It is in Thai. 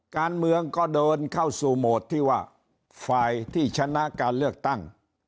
การเมืองก็เดินเข้าสู่โหมดที่ว่าฝ่ายที่ชนะการเลือกตั้ง